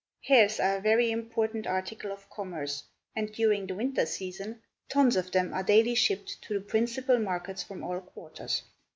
Hares are a very important article of commerce and, during the winter season, tons of them are daily shipped to the principal markets from all quarters.